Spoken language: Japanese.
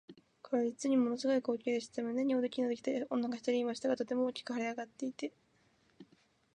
これは実にもの凄い光景でした。胸におできのできた女が一人いましたが、とても大きく脹れ上っていて、